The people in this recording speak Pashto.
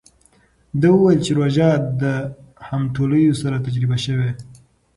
ده وویل چې روژه د همټولیو سره تجربه شوې.